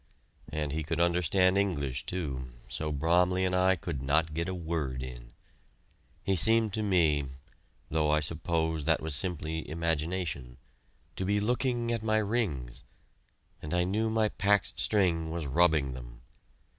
And he could understand English, too, so Bromley and I could not get a word in. He seemed to me though I suppose that was simply imagination to be looking at my rings, and I knew my pack's string was rubbing them.